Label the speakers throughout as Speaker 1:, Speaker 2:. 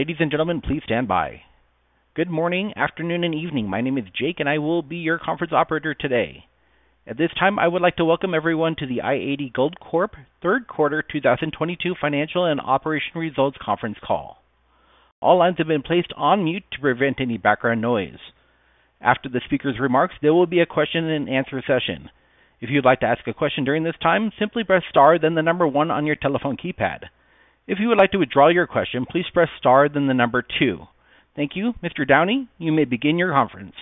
Speaker 1: Ladies and gentlemen, please stand by. Good morning, afternoon, and evening. My name is Jake, and I will be your conference operator today. At this time, I would like to welcome everyone to the i-80 Gold Corp. third quarter 2022 financial and operational results conference call. All lines have been placed on mute to prevent any background noise. After the speaker's remarks, there will be a question and answer session. If you'd like to ask a question during this time, simply press star then one on your telephone keypad. If you would like to withdraw your question, please press star then two. Thank you. Mr. Downie, you may begin your conference.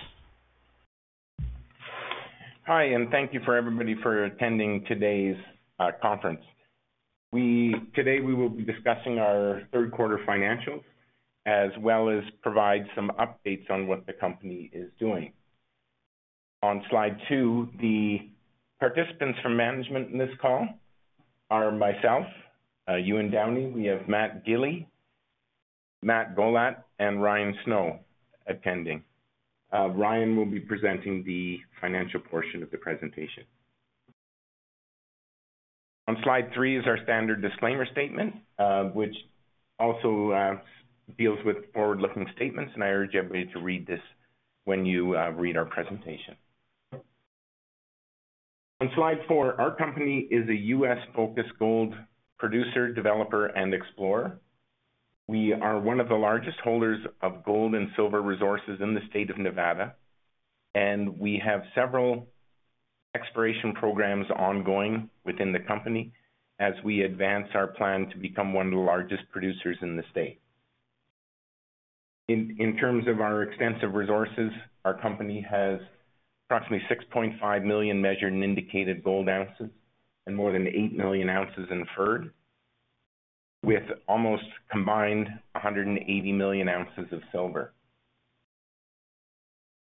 Speaker 2: Hi, and thank you for everybody for attending today's conference. Today we will be discussing our third quarter financials as well as provide some updates on what the company is doing. On slide two, the participants from management in this call are myself, Ewan Downie. We have Matt Gili, Matt Gollat, and Ryan Snow attending. Ryan will be presenting the financial portion of the presentation. On slide three is our standard disclaimer statement, which also deals with forward-looking statements, and I urge everybody to read this when you read our presentation. On slide four, our company is a U.S.-focused gold producer, developer, and explorer. We are one of the largest holders of gold and silver resources in the state of Nevada, and we have several exploration programs ongoing within the company as we advance our plan to become one of the largest producers in the state. In terms of our extensive resources, our company has approximately 6.5 million measured and indicated gold ounces and more than 8 million ounces inferred, with almost combined 180 million ounces of silver.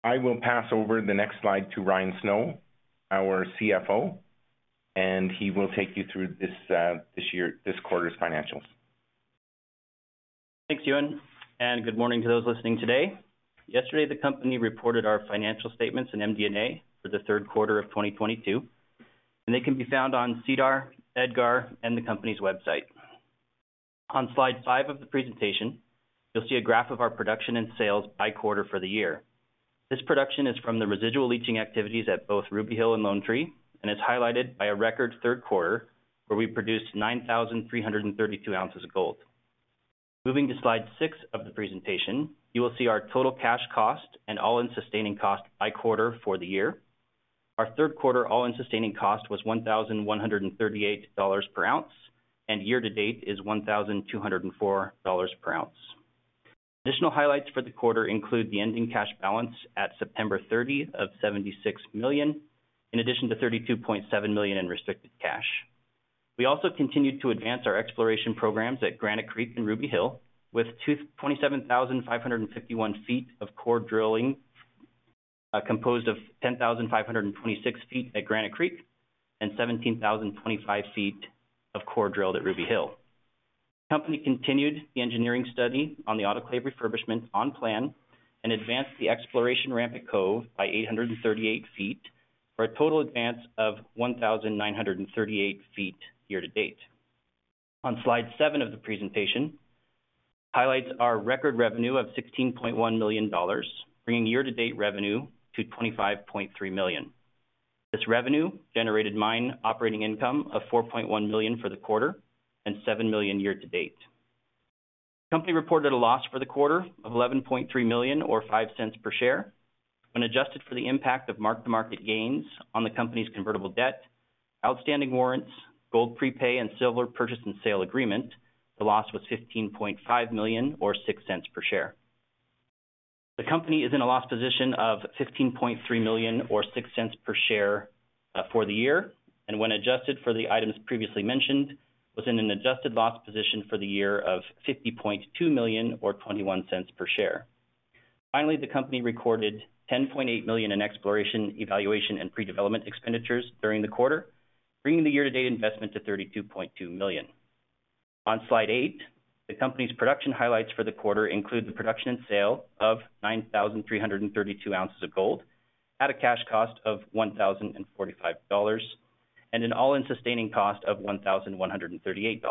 Speaker 2: I will pass over the next slide to Ryan Snow, our CFO, and he will take you through this quarter's financials.
Speaker 3: Thanks, Ewan, and good morning to those listening today. Yesterday, the company reported our financial statements and MD&A for the third quarter of 2022, and they can be found on SEDAR, EDGAR, and the company's website. On slide five of the presentation, you'll see a graph of our production and sales by quarter for the year. This production is from the residual leaching activities at both Ruby Hill and Lone Tree and is highlighted by a record third quarter, where we produced 9,332 oz of gold. Moving to slide six of the presentation, you will see our total cash cost and all-in sustaining cost by quarter for the year. Our third quarter all-in sustaining cost was $1,138/oz, and year to date is $1,204/oz. Additional highlights for the quarter include the ending cash balance at September 30 of $76 million, in addition to $32.7 million in restricted cash. We also continued to advance our exploration programs at Granite Creek and Ruby Hill with 27,551 feet of core drilling, composed of 10,526 ft at Granite Creek and 17,025 ft of core drilled at Ruby Hill. The company continued the engineering study on the autoclave refurbishment on plan and advanced the exploration ramp at Cove by 838 ft for a total advance of 1,938 ft year-to-date. On slide seven of the presentation highlights our record revenue of $16.1 million, bringing year-to-date revenue to $25.3 million. This revenue generated mine operating income of $4.1 million for the quarter and $7 million year to date. The company reported a loss for the quarter of $11.3 million or $0.05 per share. When adjusted for the impact of mark-to-market gains on the company's convertible debt, outstanding warrants, gold prepay, and silver purchase and sale agreement, the loss was $15.5 million or $0.06 per share. The company is in a loss position of $15.3 million or $0.06 per share for the year, and when adjusted for the items previously mentioned, was in an adjusted loss position for the year of $50.2 million or $0.21 per share. Finally, the company recorded $10.8 million in exploration, evaluation, and pre-development expenditures during the quarter, bringing the year-to-date investment to $32.2 million. On slide eight, the company's production highlights for the quarter include the production and sale of 9,332 oz of gold at a cash cost of $1,045 and an all-in sustaining cost of $1,138.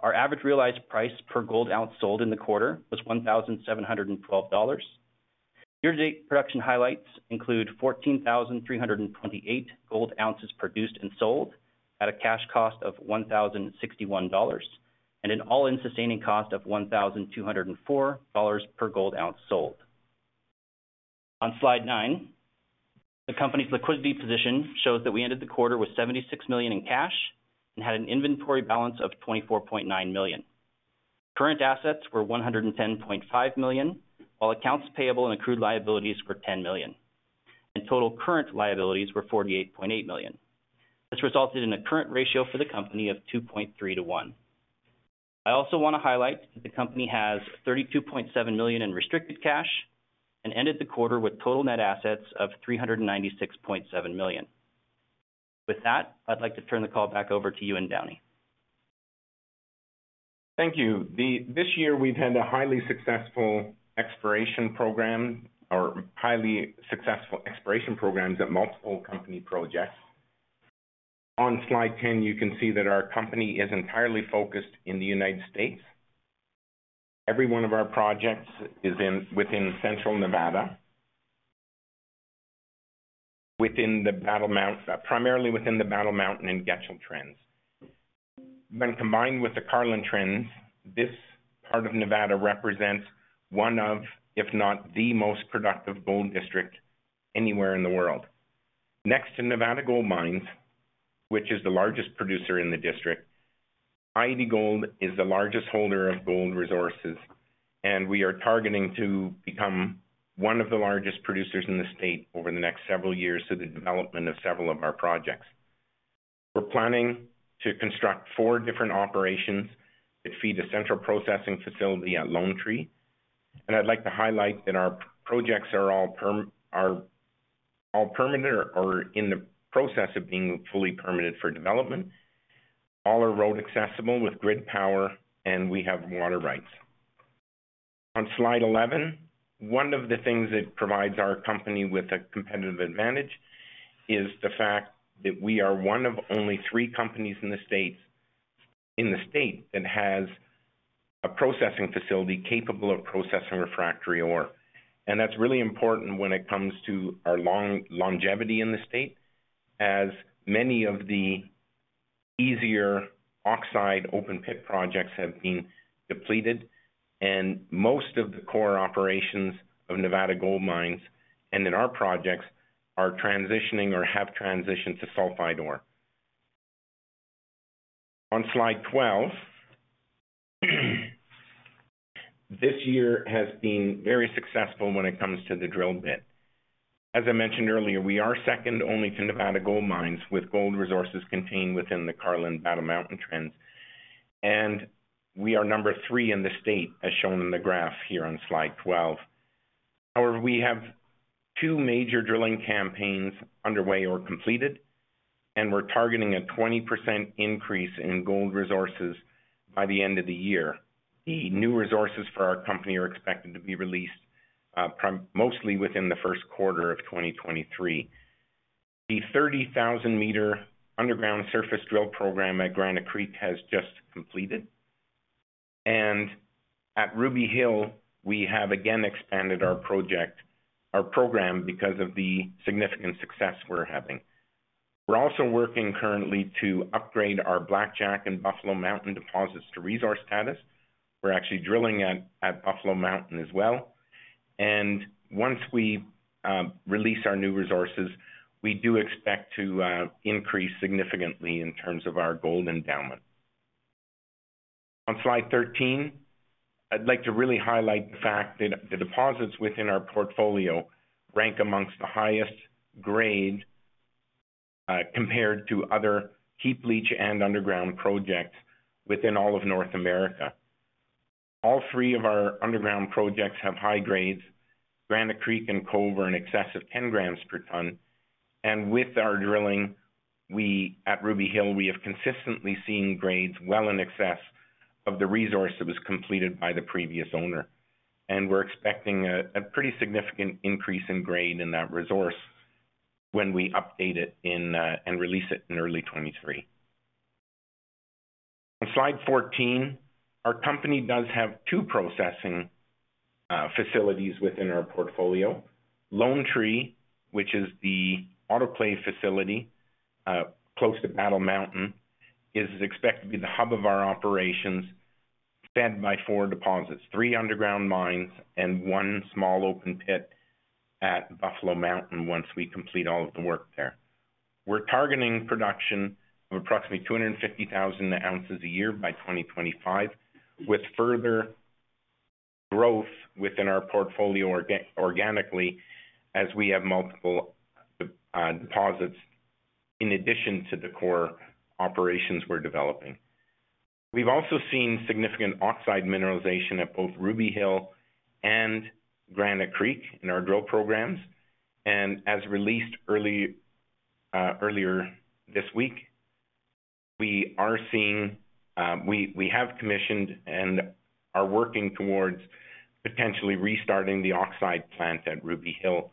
Speaker 3: Our average realized price per gold ounce sold in the quarter was $1,712. Year-to-date production highlights include 14,328 gold ounce produced and sold at a cash cost of $1,061 and an all-in sustaining cost of $1,204 per gold ounce sold. On slide nine, the company's liquidity position shows that we ended the quarter with $76 million in cash and had an inventory balance of $24.9 million. Current assets were $110.5 million, while accounts payable and accrued liabilities were $10 million, and total current liabilities were $48.8 million. This resulted in a current ratio for the company of 2.3:1. I also want to highlight that the company has $32.7 million in restricted cash and ended the quarter with total net assets of $396.7 million. With that, I'd like to turn the call back over to Ewan Downie.
Speaker 2: Thank you. This year, we've had a highly successful exploration program or highly successful exploration programs at multiple company projects. On slide 10, you can see that our company is entirely focused in the United States. Every one of our projects is within Central Nevada, primarily within the Battle Mountain and Getchell Trend. When combined with the Carlin Trend, this part of Nevada represents one of, if not the most productive gold district anywhere in the world. Next to Nevada Gold Mines, which is the largest producer in the district, i-80 Gold is the largest holder of gold resources, and we are targeting to become one of the largest producers in the state over the next several years through the development of several of our projects. We're planning to construct four different operations that feed the central processing facility at Lone Tree. I'd like to highlight that our projects are all permitted or in the process of being fully permitted for development. All are road accessible with grid power, and we have water rights. On slide 11, one of the things that provides our company with a competitive advantage is the fact that we are one of only three companies in the state that has a processing facility capable of processing refractory ore. That's really important when it comes to our longevity in the state, as many of the easier oxide open pit projects have been depleted, and most of the core operations of Nevada Gold Mines, and then our projects are transitioning or have transitioned to sulfide ore. On slide 12, this year has been very successful when it comes to the drill bit. As I mentioned earlier, we are second only to Nevada Gold Mines, with gold resources contained within the Carlin-Battle Mountain trend. We are number three in the state, as shown in the graph here on slide 12. However, we have two major drilling campaigns underway or completed, and we're targeting a 20% increase in gold resources by the end of the year. The new resources for our company are expected to be released, mostly within the first quarter of 2023. The 30,000m underground surface drill program at Granite Creek has just completed. At Ruby Hill, we have again expanded our project, our program because of the significant success we're having. We're also working currently to upgrade our Blackjack and Buffalo Mountain deposits to resource status. We're actually drilling at Buffalo Mountain as well. Once we release our new resources, we do expect to increase significantly in terms of our gold endowment. On slide 13, I'd like to really highlight the fact that the deposits within our portfolio rank amongst the highest grade compared to other heap leach and underground projects within all of North America. All three of our underground projects have high grades. Granite Creek and Cove are in excess of 10 g per ton. With our drilling, we at Ruby Hill have consistently seen grades well in excess of the resource that was completed by the previous owner. We're expecting a pretty significant increase in grade in that resource when we update it in and release it in early 2023. On slide 14, our company does have two processing facilities within our portfolio. Lone Tree, which is the autoclave facility, close to Battle Mountain, is expected to be the hub of our operations, fed by four deposits, three underground mines, and one small open pit at Buffalo Mountain once we complete all of the work there. We're targeting production of approximately 250,000 oz a year by 2025, with further growth within our portfolio organically as we have multiple deposits in addition to the core operations we're developing. We've also seen significant oxide mineralization at both Ruby Hill and Granite Creek in our drill programs. As released earlier this week, we have commissioned and are working towards potentially restarting the oxide plant at Ruby Hill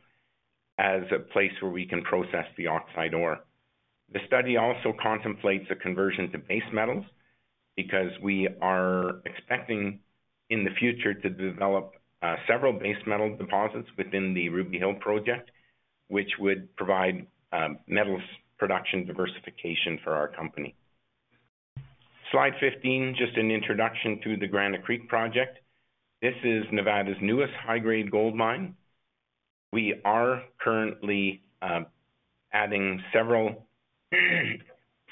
Speaker 2: as a place where we can process the oxide ore. The study also contemplates a conversion to base metals because we are expecting in the future to develop several base metal deposits within the Ruby Hill project, which would provide metals production diversification for our company. Slide 15, just an introduction to the Granite Creek project. This is Nevada's newest high-grade gold mine. We are currently adding several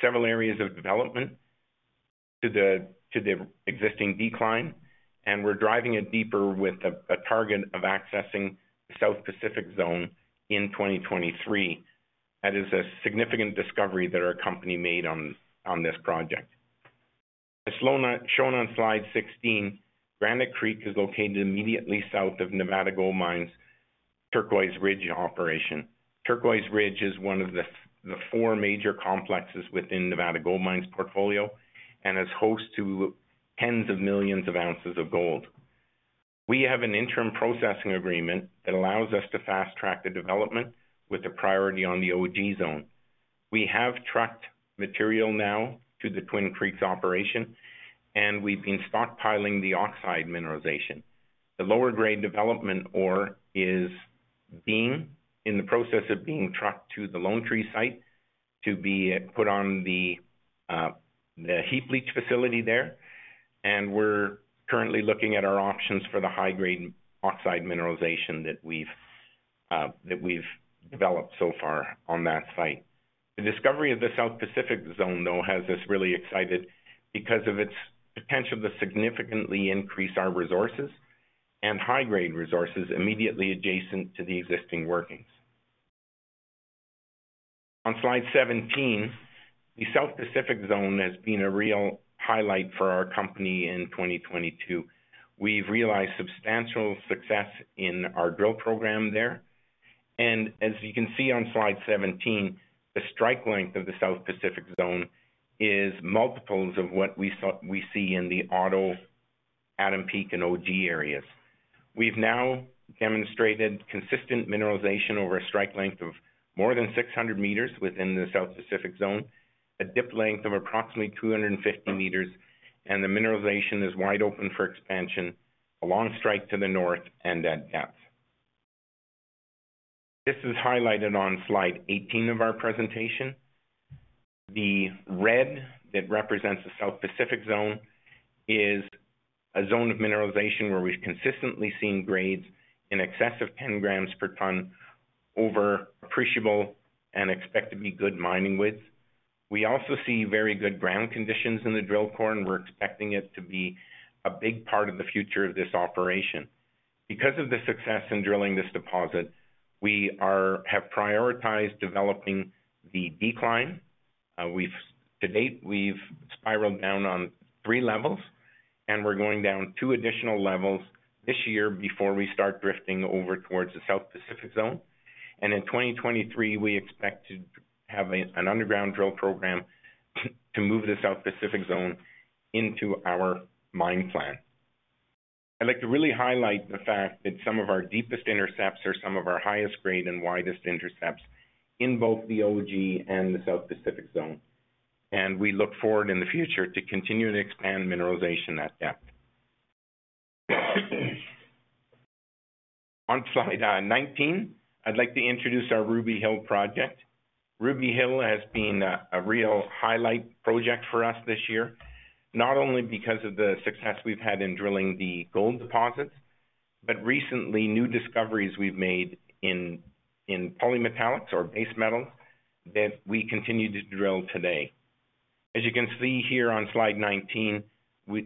Speaker 2: areas of development to the existing decline, and we're driving it deeper with a target of accessing the South Pacific Zone in 2023. That is a significant discovery that our company made on this project. As shown on slide 16, Granite Creek is located immediately south of Nevada Gold Mines' Turquoise Ridge operation. Turquoise Ridge is one of the four major complexes within Nevada Gold Mines' portfolio and is host to tens of millions of ounces of gold. We have an interim processing agreement that allows us to fast-track the development with the priority on the Ogee Zone. We have tracked material now to the Twin Creeks operation, and we've been stockpiling the oxide mineralization. The lower grade development ore is being in the process of being trucked to the Lone Tree site to be put on the heap leach facility there. We're currently looking at our options for the high-grade oxide mineralization that we've developed so far on that site. The discovery of the South Pacific Zone, though, has us really excited because of its potential to significantly increase our resources and high-grade resources immediately adjacent to the existing workings. On slide 17, the South Pacific Zone has been a real highlight for our company in 2022. We've realized substantial success in our drill program there. As you can see on slide 17, the strike length of the South Pacific Zone is multiples of what we see in the Otto, Adam Peak, and Ogee areas. We've now demonstrated consistent mineralization over a strike length of more than 600 m within the South Pacific Zone, a dip length of approximately 250 m, and the mineralization is wide open for expansion along strike to the north and at depth. This is highlighted on slide 18 of our presentation. The red that represents the South Pacific Zone is a zone of mineralization where we've consistently seen grades in excess of 10 g per ton over appreciable and expect to be good mining widths. We also see very good ground conditions in the drill core, and we're expecting it to be a big part of the future of this operation. Because of the success in drilling this deposit, we have prioritized developing the decline. To date, we've spiraled down on three levels, and we're going down two additional levels this year before we start drifting over towards the South Pacific Zone. In 2023, we expect to have an underground drill program to move the South Pacific Zone into our mine plan. I'd like to really highlight the fact that some of our deepest intercepts are some of our highest grade and widest intercepts in both the Ogee and the South Pacific Zone, and we look forward in the future to continuing to expand mineralization at depth. On slide 19, I'd like to introduce our Ruby Hill project. Ruby Hill has been a real highlight project for us this year, not only because of the success we've had in drilling the gold deposits, but recently, new discoveries we've made in polymetallic or base metals that we continue to drill today. As you can see here on slide 19,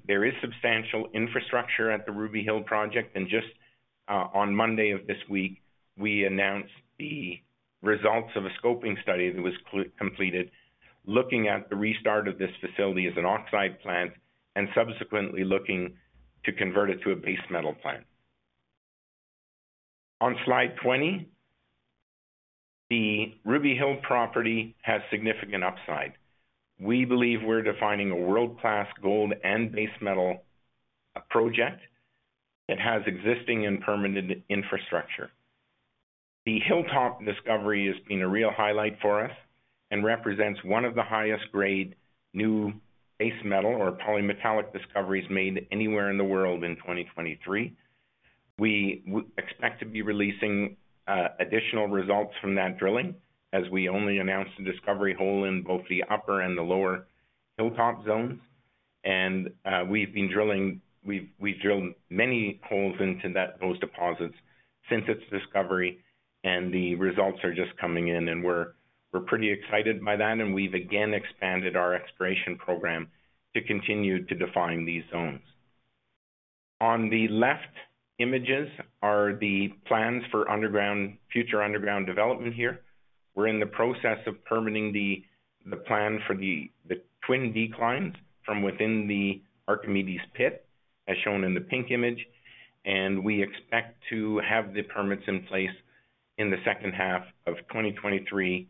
Speaker 2: there is substantial infrastructure at the Ruby Hill project. Just on Monday of this week, we announced the results of a scoping study that was completed looking at the restart of this facility as an oxide plant and subsequently looking to convert it to a base metal plant. On slide 20, the Ruby Hill property has significant upside. We believe we're defining a world-class gold and base metal project. It has existing and permanent infrastructure. The Hilltop discovery has been a real highlight for us and represents one of the highest grade new base metal or polymetallic discoveries made anywhere in the world in 2023. We expect to be releasing additional results from that drilling as we only announced the discovery hole in both the Upper and the Lower Hilltop Zone. We've been drilling. We've drilled many holes into those deposits since its discovery, and the results are just coming in, and we're pretty excited by that. We've again expanded our exploration program to continue to define these zones. On the left images are the plans for underground, future underground development here. We're in the process of permitting the plan for the twin declines from within the Archimedes Pit, as shown in the pink image, and we expect to have the permits in place in the second half of 2023,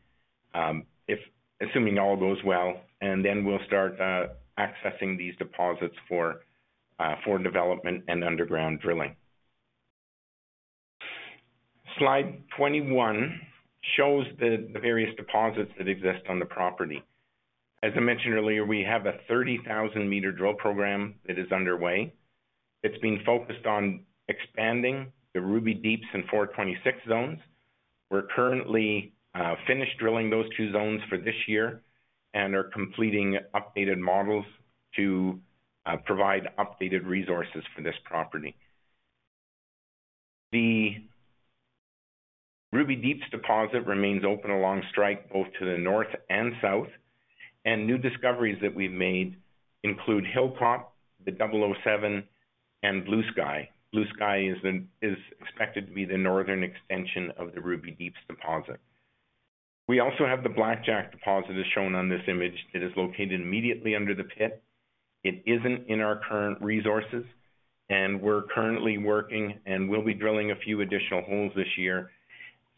Speaker 2: if assuming all goes well. Then we'll start accessing these deposits for development and underground drilling. Slide 21 shows the various deposits that exist on the property. As I mentioned earlier, we have a 30,000 m drill program that is underway. It's being focused on expanding the Ruby Deeps and 426 Zone. We're currently finished drilling those two zones for this year and are completing updated models to provide updated resources for this property. The Ruby Deeps deposit remains open along strike both to the north and south. New discoveries that we've made include Hilltop, the 007, and Blue Sky. Blue Sky is expected to be the northern extension of the Ruby Deeps deposit. We also have the Blackjack deposit, as shown on this image, that is located immediately under the pit. It isn't in our current resources, and we're currently working and will be drilling a few additional holes this year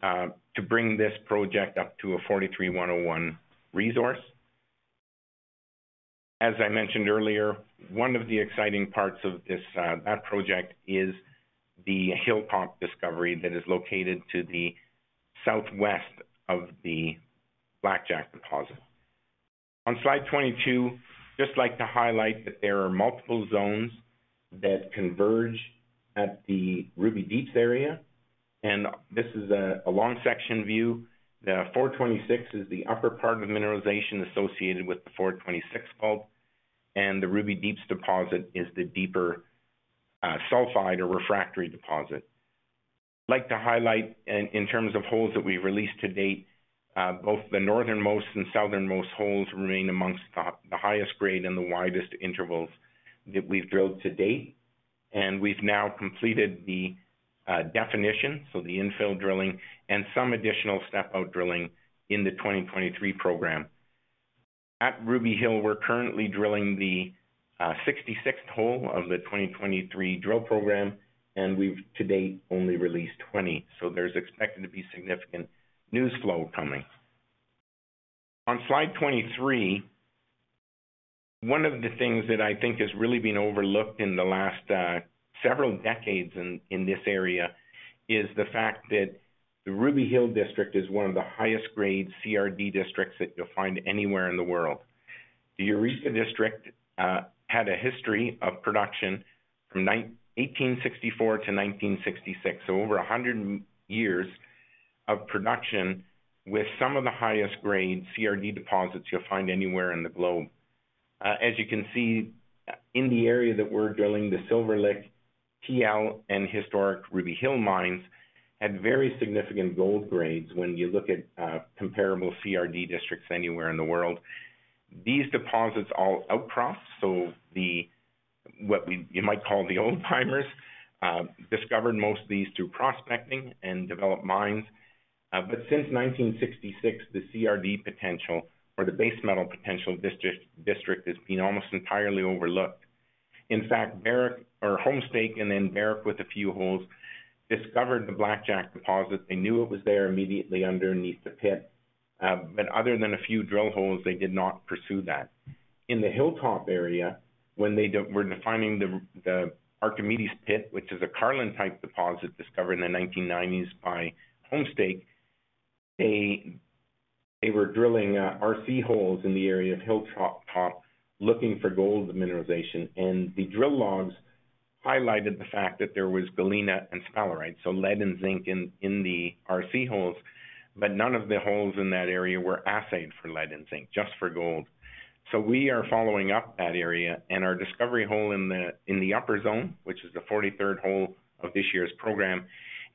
Speaker 2: to bring this project up to a 43-101 resource. As I mentioned earlier, one of the exciting parts of this, that project is the Hilltop discovery that is located to the southwest of the Blackjack deposit. On slide 22, just like to highlight that there are multiple zones that converge at the Ruby Deeps area, and this is a long section view. The 426 is the upper part of the mineralization associated with the 426 fault, and the Ruby Deeps deposit is the deeper, sulfide or refractory deposit. Like to highlight in terms of holes that we released to date, both the northernmost and southernmost holes remain amongst the highest grade and the widest intervals that we've drilled to date. We've now completed the definition, so the infill drilling and some additional step out drilling in the 2023 program. At Ruby Hill, we're currently drilling the 66th hole of the 2023 drill program, and we've to date only released 20. There's expected to be significant news flow coming. On slide 23, one of the things that I think has really been overlooked in the last several decades in this area is the fact that the Ruby Hill District is one of the highest grade CRD districts that you'll find anywhere in the world. The Eureka District had a history of production from 1864 to 1966, so over a hundred years of production with some of the highest grade CRD deposits you'll find anywhere in the globe. As you can see, in the area that we're drilling, the Silver Lick, PL, and historic Ruby Hill Mines had very significant gold grades when you look at comparable CRD districts anywhere in the world. These deposits all outcrop, so what you might call the old-timers discovered most of these through prospecting and developed mines. Since 1966, the CRD potential or the base metal potential district has been almost entirely overlooked. In fact, Barrick or Homestake and then Barrick with a few holes discovered the Blackjack deposit. They knew it was there immediately underneath the pit, but other than a few drill holes, they did not pursue that. In the Hilltop area, when they were defining the Archimedes Pit, which is a Carlin-type deposit discovered in the 1990s by Homestake, they were drilling RC holes in the area of Hilltop, looking for gold mineralization, and the drill logs highlighted the fact that there was galena and sphalerite, so lead and zinc in the RC holes, but none of the holes in that area were assayed for lead and zinc, just for gold. We are following up that area, and our discovery hole in the upper zone, which is the 43rd hole of this year's program,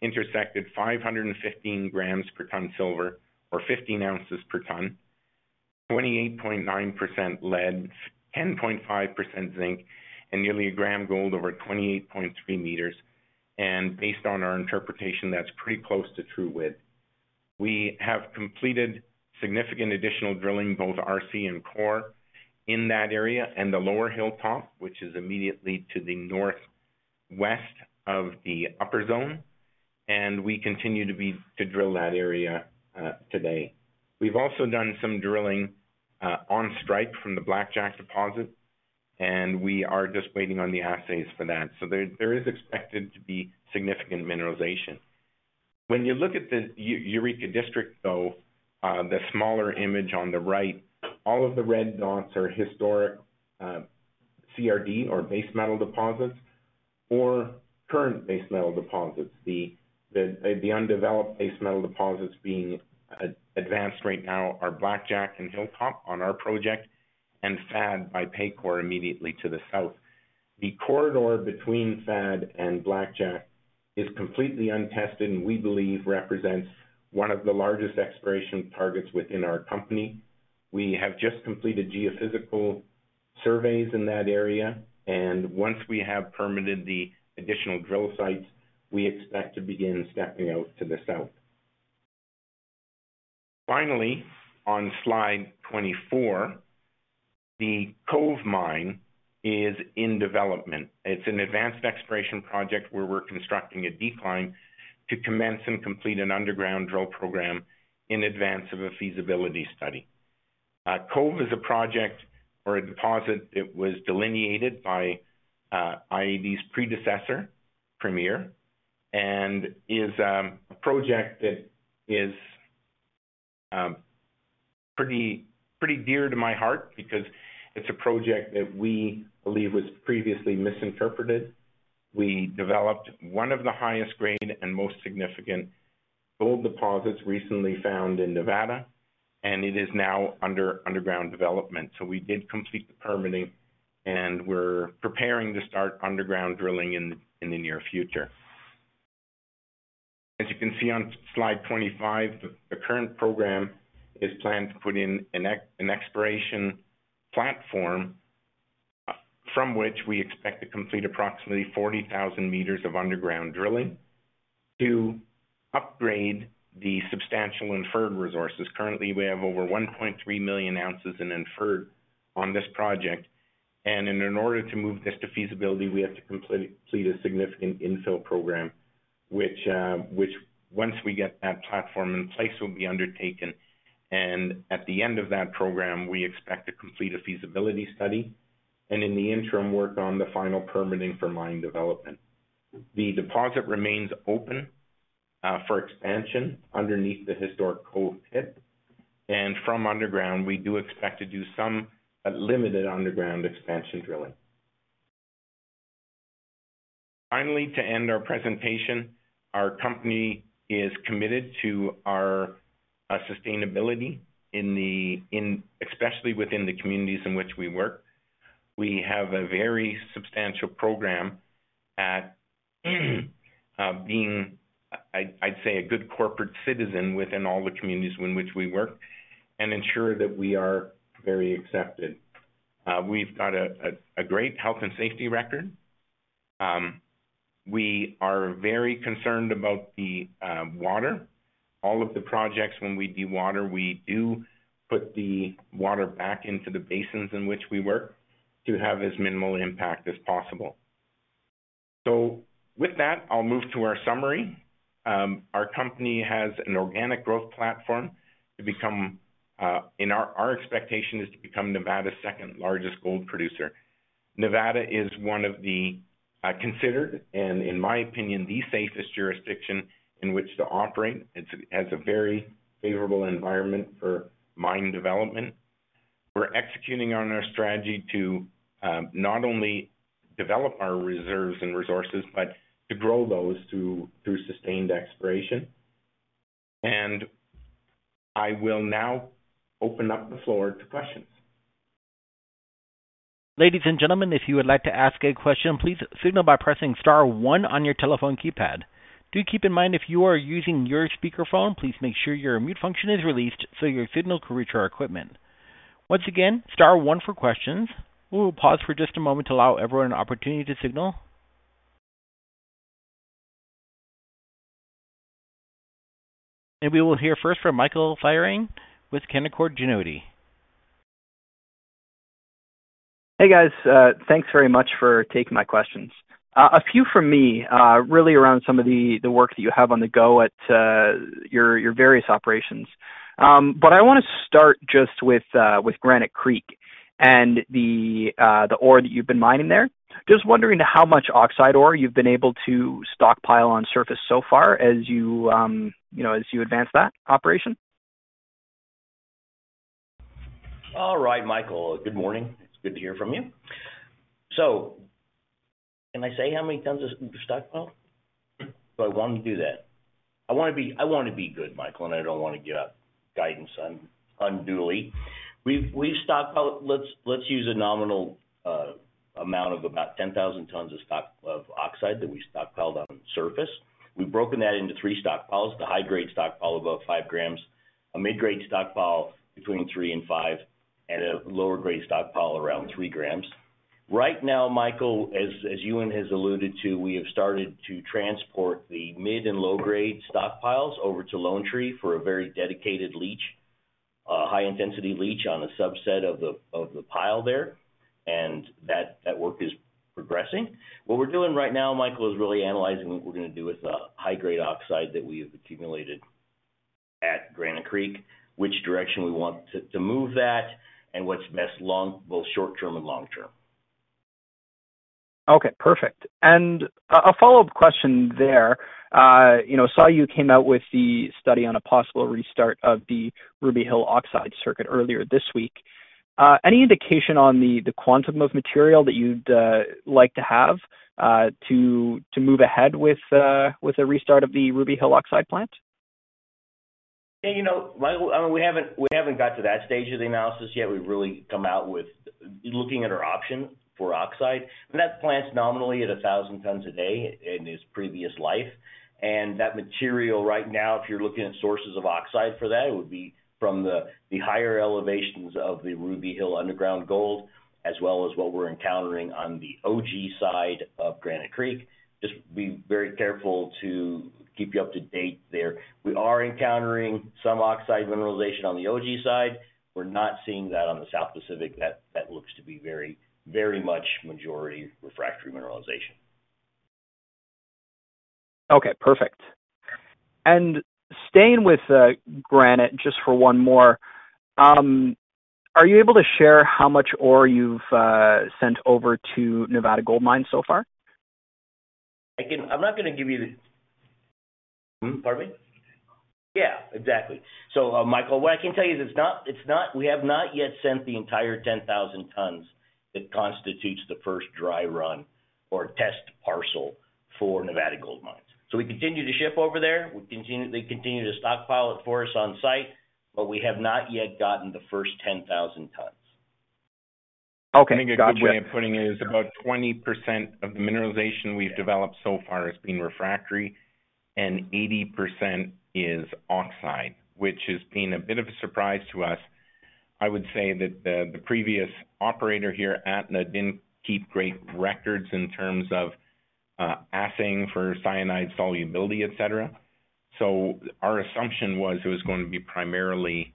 Speaker 2: intersected 515 g per ton silver or 15 oz per ton, 28.9% lead, 10.5% zinc, and nearly a gram gold over 28.3 m. Based on our interpretation, that's pretty close to true width. We have completed significant additional drilling, both RC and core, in that area and the Lower Hilltop, which is immediately to the northwest of the upper zone, and we continue to drill that area today. We've also done some drilling on strike from the Blackjack deposit, and we are just waiting on the assays for that. There is expected to be significant mineralization. When you look at the Eureka District, though, the smaller image on the right, all of the red dots are historic, CRD or base metal deposits or current base metal deposits. The undeveloped base metal deposits being advanced right now are Blackjack and Hilltop on our project and FAD by Paycore immediately to the south. The corridor between FAD and Blackjack is completely untested and we believe represents one of the largest exploration targets within our company. We have just completed geophysical surveys in that area, and once we have permitted the additional drill sites, we expect to begin stepping out to the south. Finally, on slide 24, the Cove Mine is in development. It's an advanced exploration project where we're constructing a decline to commence and complete an underground drill program in advance of a feasibility study. Cove is a project or a deposit that was delineated by i-80's predecessor, Premier, and is a project that is pretty dear to my heart because it's a project that we believe was previously misinterpreted. We developed one of the highest grade and most significant gold deposits recently found in Nevada, and it is now under underground development. We did complete the permitting, and we're preparing to start underground drilling in the near future. As you can see on slide 25, the current program is planned to put in an exploration platform from which we expect to complete approximately 40,000 m of underground drilling to upgrade the substantial inferred resources. Currently, we have over 1.3 million ounces in inferred on this project. In order to move this to feasibility, we have to complete a significant infill program, which once we get that platform in place, will be undertaken. At the end of that program, we expect to complete a feasibility study, and in the interim, work on the final permitting for mine development. The deposit remains open for expansion underneath the historic Cove pit. From underground, we do expect to do some limited underground expansion drilling. Finally, to end our presentation, our company is committed to our sustainability, especially within the communities in which we work. We have a very substantial program at being, I'd say, a good corporate citizen within all the communities in which we work and ensure that we are very accepted. We've got a great health and safety record. We are very concerned about the water. All of the projects, when we do water, we do put the water back into the basins in which we work to have as minimal impact as possible. With that, I'll move to our summary. Our company has an organic growth platform to become and our expectation is to become Nevada's second-largest gold producer. Nevada is one of the considered, and in my opinion, the safest jurisdiction in which to operate. It has a very favorable environment for mine development. We're executing on our strategy to not only develop our reserves and resources, but to grow those through sustained exploration. I will now open up the floor to questions.
Speaker 1: Ladies and gentlemen, if you would like to ask a question, please signal by pressing star one on your telephone keypad. Do keep in mind, if you are using your speakerphone, please make sure your mute function is released so your signal can reach our equipment. Once again, star one for questions. We will pause for just a moment to allow everyone an opportunity to signal. We will hear first from Michael Fairbairn with Canaccord Genuity.
Speaker 4: Hey, guys. Thanks very much for taking my questions. A few from me, really around some of the work that you have on the go at your various operations. I want to start just with Granite Creek and the ore that you've been mining there. Just wondering how much oxide ore you've been able to stockpile on surface so far as you know, as you advance that operation.
Speaker 5: All right, Michael. Good morning. It's good to hear from you. Can I say how many tons is in the stockpile? Do I want to do that? I wanna be good, Michael, and I don't wanna give out guidance unduly. We've stockpiled. Let's use a nominal amount of about 10,000 tons of oxide that we stockpiled on surface. We've broken that into three stockpiles, the high-grade stockpile above 5 g, a mid-grade stockpile between 3 g and 5 g, and a lower grade stockpile around 3 g. Right now, Michael, as Ewan has alluded to, we have started to transport the mid and low-grade stockpiles over to Lone Tree for a very dedicated leach, high-intensity leach on a subset of the pile there, and that work is progressing. What we're doing right now, Michael, is really analyzing what we're gonna do with the high-grade oxide that we have accumulated at Granite Creek, which direction we want to move that and what's best both short-term and long-term.
Speaker 4: Okay, perfect. A follow-up question there. You know, saw you came out with the study on a possible restart of the Ruby Hill oxide circuit earlier this week. Any indication on the quantum of material that you'd like to have to move ahead with a restart of the Ruby Hill oxide plant?
Speaker 5: Yeah, you know, I mean, we haven't got to that stage of the analysis yet. We've really come out with looking at our option for oxide. That plant's nominally at 1,000 tons a day in its previous life. That material right now, if you're looking at sources of oxide for that, it would be from the higher elevations of the Ruby Hill underground gold, as well as what we're encountering on the Ogee side of Granite Creek. Just be very clear to keep you up to date there. We are encountering some oxide mineralization on the Ogee side. We're not seeing that on the South Pacific. That looks to be very, very much majority refractory mineralization.
Speaker 4: Okay, perfect. Staying with Granite, just for one more. Are you able to share how much ore you've sent over to Nevada Gold Mines so far?
Speaker 5: Pardon me? Yeah, exactly. Michael, what I can tell you is it's not. We have not yet sent the entire 10,000 tons that constitutes the first dry run or test parcel for Nevada Gold Mines. We continue to ship over there. They continue to stockpile it for us on site, but we have not yet gotten the first 10,000 tons.
Speaker 4: Okay. Gotcha.
Speaker 2: I think a good way of putting it is about 20% of the mineralization we've developed so far has been refractory, and 80% is oxide, which has been a bit of a surprise to us. I would say that the previous operator here, Atna, didn't keep great records in terms of assaying for cyanide solubility, et cetera. Our assumption was it was going to be primarily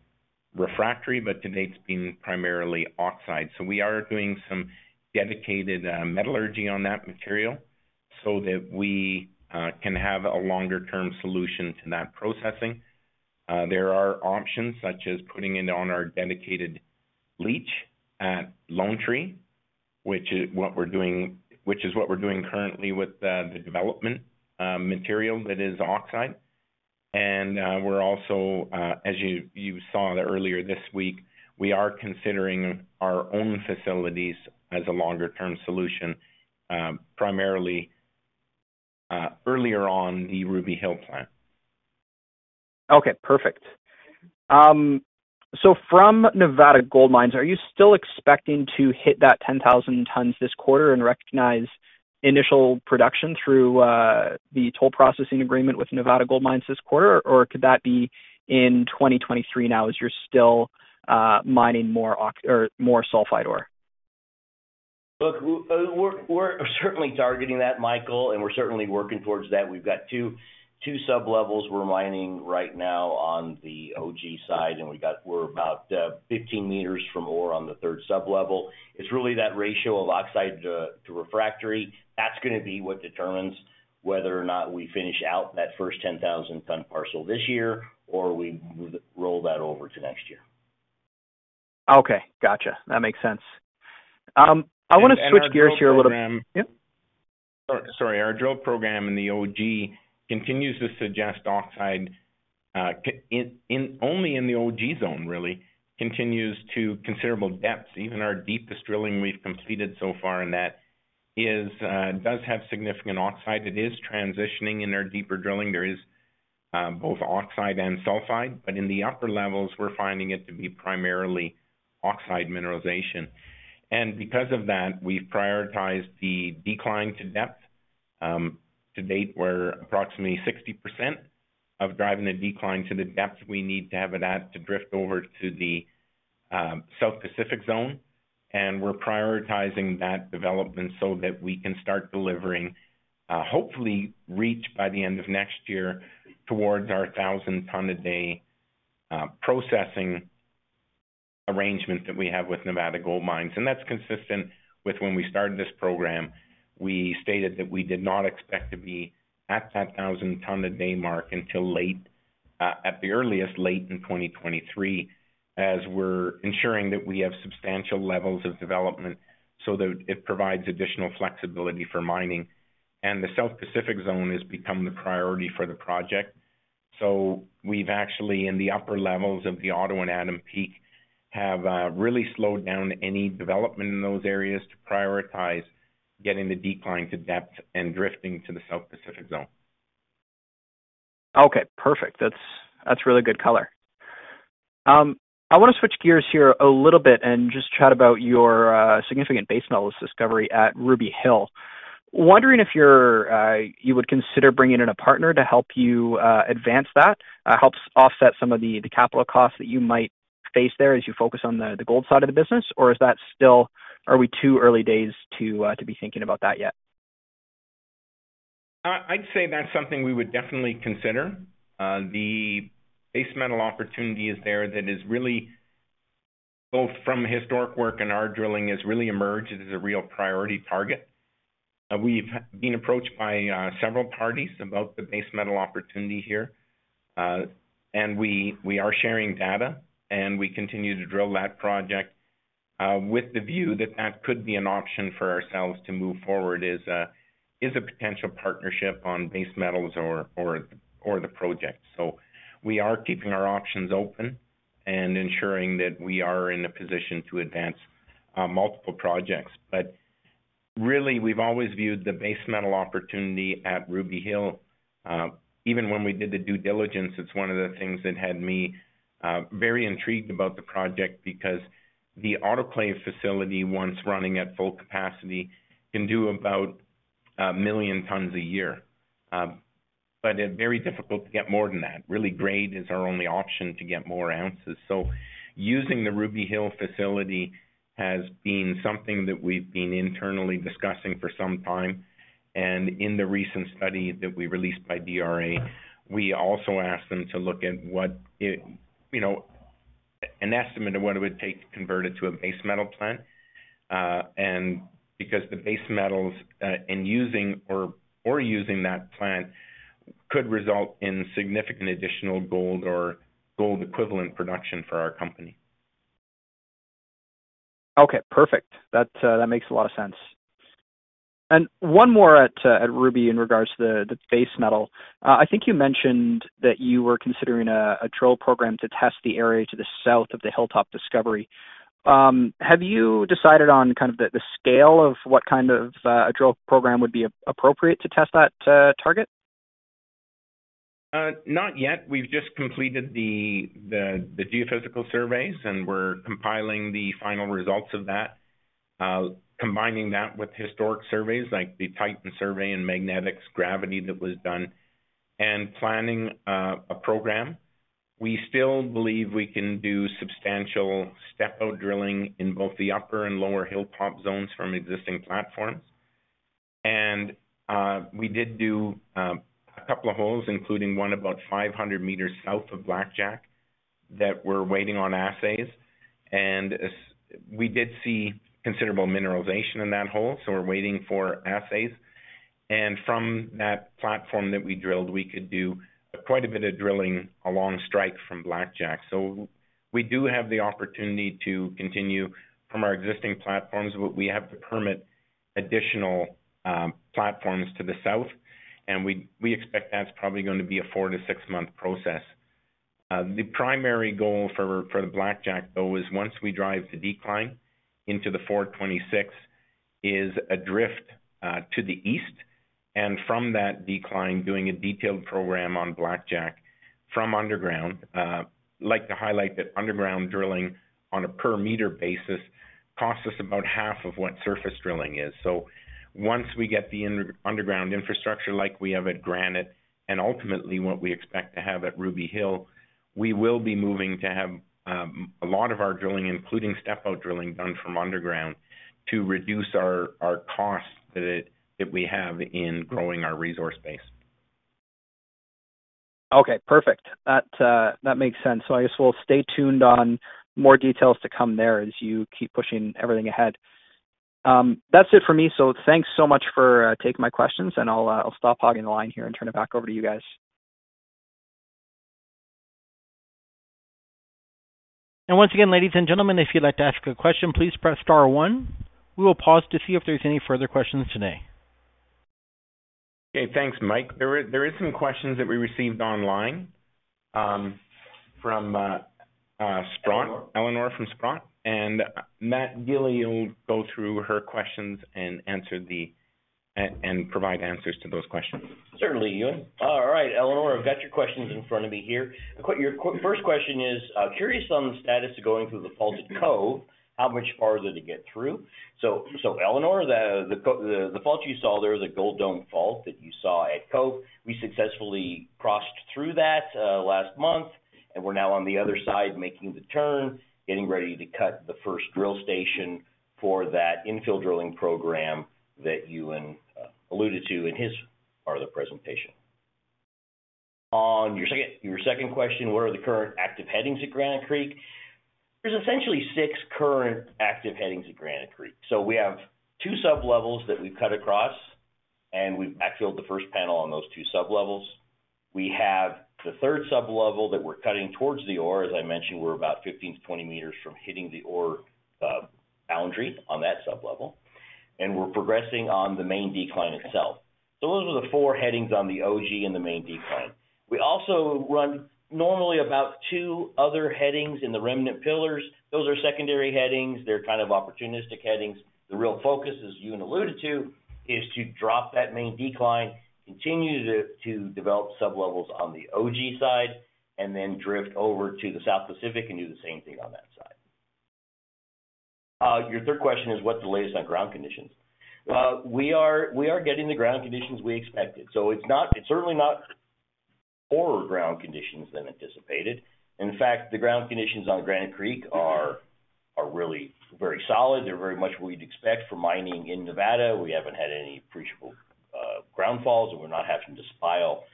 Speaker 2: refractory, but to date it's been primarily oxide. We are doing some dedicated metallurgy on that material so that we can have a longer-term solution to that processing. There are options such as putting it on our dedicated leach at Lone Tree, which is what we're doing currently with the development material that is oxide. We're also, as you saw earlier this week, we are considering our own facilities as a longer-term solution, primarily earlier on the Ruby Hill plant.
Speaker 4: Okay, perfect. From Nevada Gold Mines, are you still expecting to hit that 10,000 tons this quarter and recognize initial production through the toll processing agreement with Nevada Gold Mines this quarter? Or could that be in 2023 now as you're still mining more oxide or more sulfide ore?
Speaker 5: Look, we're certainly targeting that, Michael, and we're certainly working towards that. We've got two sub-levels we're mining right now on the Ogee side, and we're about 15 m from ore on the third sub-level. It's really that ratio of oxide to refractory. That's gonna be what determines whether or not we finish out that first 10,000-ton parcel this year or we roll that over to next year.
Speaker 4: Okay. Gotcha. That makes sense. I want to switch gears here a little bit.
Speaker 2: Our drill program.
Speaker 4: Yeah?
Speaker 2: Sorry. Our drill program in the Ogee continues to suggest oxide, only in the Ogee Zone really continues to considerable depths. Even our deepest drilling we've completed so far in that does have significant oxide. It is transitioning in our deeper drilling. There is both oxide and sulfide. But in the upper levels, we're finding it to be primarily oxide mineralization. Because of that, we've prioritized the decline to depth. To date, we're approximately 60% of driving the decline to the depth we need to have it at to drift over to the South Pacific Zone. We're prioritizing that development so that we can start delivering, hopefully reach by the end of next year towards our 1,000 ton a day processing arrangement that we have with Nevada Gold Mines. That's consistent with when we started this program. We stated that we did not expect to be at that 1,000 ton a day mark until late, at the earliest, late in 2023, as we're ensuring that we have substantial levels of development so that it provides additional flexibility for mining. The South Pacific Zone has become the priority for the project. We've actually, in the upper levels of the Otto and Adam Peak, really slowed down any development in those areas to prioritize getting the decline to depth and drifting to the South Pacific Zone.
Speaker 4: Okay, perfect. That's really good color. I wanna switch gears here a little bit and just chat about your significant base metals discovery at Ruby Hill. Wondering if you would consider bringing in a partner to help you advance that helps offset some of the capital costs that you might face there as you focus on the gold side of the business, or are we too early days to be thinking about that yet?
Speaker 2: I'd say that's something we would definitely consider. The base metal opportunity is there that is really, both from historic work and our drilling, has really emerged as a real priority target. We've been approached by several parties about the base metal opportunity here. We are sharing data, and we continue to drill that project, with the view that that could be an option for ourselves to move forward as a potential partnership on base metals or the project. We are keeping our options open and ensuring that we are in a position to advance multiple projects. Really, we've always viewed the base metal opportunity at Ruby Hill, even when we did the due diligence, it's one of the things that had me very intrigued about the project because the autoclave facility, once running at full capacity, can do about 1 million tons a year. It's very difficult to get more than that. Really, grade is our only option to get more ounces. Using the Ruby Hill facility has been something that we've been internally discussing for some time. In the recent study that we released by DRA, we also asked them to look at what it, you know, an estimate of what it would take to convert it to a base metal plant. Because the base metals in using that plant could result in significant additional gold or gold equivalent production for our company.
Speaker 4: Okay, perfect. That makes a lot of sense. One more at Ruby in regards to the base metal. I think you mentioned that you were considering a drill program to test the area to the south of the Hilltop discovery. Have you decided on kind of the scale of what kind of a drill program would be appropriate to test that target?
Speaker 2: Not yet. We've just completed the geophysical surveys, and we're compiling the final results of that, combining that with historic surveys like the Titan survey and magnetics and gravity that was done, and planning a program. We still believe we can do substantial step-out drilling in both the Upper and Lower Hilltop Zone from existing platforms. We did do a couple of holes, including one about 500 m south of Blackjack that we're waiting on assays. We did see considerable mineralization in that hole, so we're waiting for assays. From that platform that we drilled, we could do quite a bit of drilling along strike from Blackjack. We do have the opportunity to continue from our existing platforms. We have to permit additional platforms to the south, and we expect that's probably gonna be a four to six month process. The primary goal for the Blackjack, though, is once we drive the decline into the 426, a drift to the east. From that decline, doing a detailed program on Blackjack from underground. I'd like to highlight that underground drilling, on a per meter basis, costs us about half of what surface drilling is. Once we get the underground infrastructure like we have at Granite, and ultimately what we expect to have at Ruby Hill, we will be moving to have a lot of our drilling, including step-out drilling, done from underground to reduce our costs that we have in growing our resource base.
Speaker 4: Okay, perfect. That makes sense. I guess we'll stay tuned on more details to come there as you keep pushing everything ahead. That's it for me. Thanks so much for taking my questions, and I'll stop hogging the line here and turn it back over to you guys.
Speaker 1: Once again, ladies and gentlemen, if you'd like to ask a question, please press star one. We will pause to see if there's any further questions today.
Speaker 2: Okay. Thanks, Mike. There is some questions that we received online, from Sprott-
Speaker 5: Eleanor. Eleanor from Sprott. Matt Gili will go through her questions and provide answers to those questions. Certainly, Ewan. All right, Eleanor, I've got your questions in front of me here. Your first question is curious on the status of going through the fault at Cove. How much farther to get through? Eleanor, the fault you saw there, the Gold Dome fault that you saw at Cove, we successfully crossed through that last month, and we're now on the other side making the turn, getting ready to cut the first drill station for that infill drilling program that Ewan alluded to in his part of the presentation. On your second question, what are the current active headings at Granite Creek? There's essentially six current active headings at Granite Creek. We have two sub-levels that we've cut across, and we've backfilled the first panel on those two sub-levels. We have the third sub-level that we're cutting towards the ore. As I mentioned, we're about 15 m-20 m from hitting the ore boundary on that sub-level. We're progressing on the main decline itself. Those are the four headings on the Ogee and the main decline. We also run normally about two other headings in the remnant pillars. Those are secondary headings. They're kind of opportunistic headings. The real focus, as Ewan alluded to, is to drop that main decline, continue to develop sub-levels on the Ogee side, and then drift over to the South Pacific and do the same thing on that side. Your third question is, what's the latest on ground conditions? We are getting the ground conditions we expected. It's not, it's certainly not poorer ground conditions than anticipated. In fact, the ground conditions on Granite Creek are really very solid. They're very much what you'd expect for mining in Nevada. We haven't had any appreciable ground falls, and we're not having to spile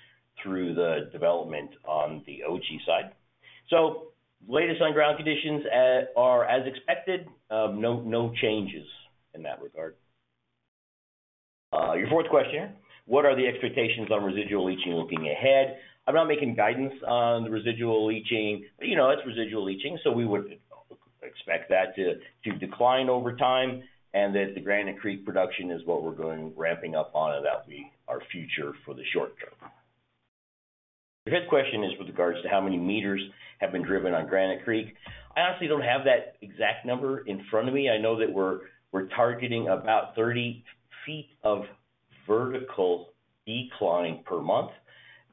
Speaker 5: through the development on the Ogee side. Latest on ground conditions are as expected. No changes in that regard. Your fourth question, what are the expectations on residual leaching looking ahead? I'm not making guidance on the residual leaching, but you know, it's residual leaching, so we would expect that to decline over time, and that the Granite Creek production is what we're going ramping up on and that'll be our future for the short term. Your fifth question is with regards to how many meters have been driven on Granite Creek. I honestly don't have that exact number in front of me. I know that we're targeting about 30 ft of vertical decline per month,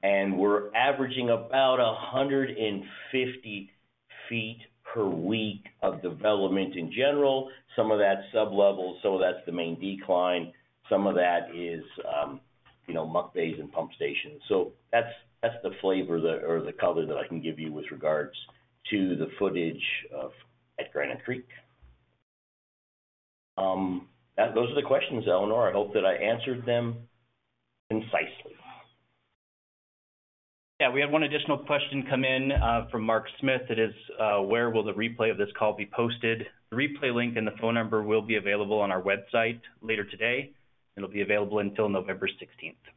Speaker 5: and we're averaging about 150 ft per week of development in general. Some of that's sub-level, so that's the main decline. Some of that is, you know, muck bays and pump stations. So that's the flavor or the color that I can give you with regards to the footage at Granite Creek. Those are the questions, Eleanor. I hope that I answered them concisely.
Speaker 2: Yeah. We had one additional question come in from Mark Smith. It is, where will the replay of this call be posted? The replay link and the phone number will be available on our website later today, and it'll be available until November 16th.